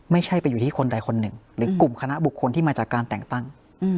ไม่ใช่ไปอยู่ที่คนใดคนหนึ่งหรือกลุ่มคณะบุคคลที่มาจากการแต่งตั้ง